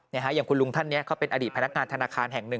อย่างคุณลุงท่านนี้เขาเป็นอดีตพนักงานธนาคารแห่งหนึ่ง